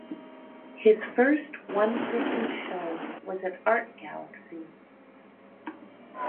His first one-person show was at Art Galaxy.